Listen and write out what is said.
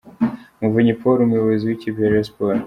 Muvunyi Paul umuyobozi w'ikipe ya Rayon Sports .